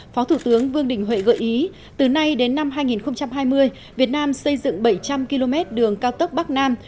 phó thủ tướng vương đình huệ gợi ý từ nay đến năm hai nghìn hai mươi việt nam xây dựng bảy trăm linh km đường cao tốc bắc nam